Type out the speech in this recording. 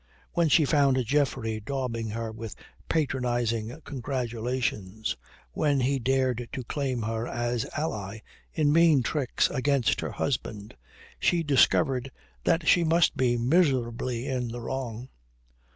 When she found Geoffrey daubing her with patronizing congratulations, when he dared to claim her as ally in mean tricks against her husband, she discovered that she must be miserably in the wrong.